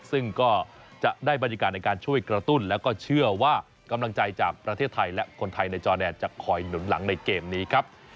ซึ่งก็จะได้บรรยากาศในการช่วยกระตุ้นแล้วก็เชื่อว่ากำลังใจจากประเทศไทยและคนไทยในจอแดนจะคอยหนุนหลังในเกมนี้ครับ